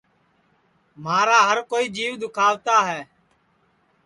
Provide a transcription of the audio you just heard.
مھارا ہر کوئی جیو دُؔکھاوتا ہے